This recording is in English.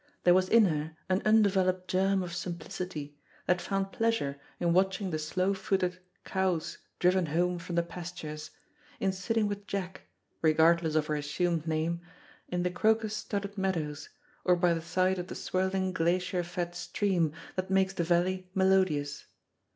There was in her an undeveloped germ of simplicity, that found pleasure in watching the slow footed, cows driven home from the pastures, in sitting with Jack regardless of her assumed name in the crocus studded meadows, or by the side of the swirling glacier fed stream that makes the valley melodious.